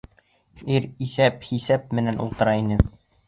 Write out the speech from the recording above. Ир иҫәп-хисап менән ултыра ине.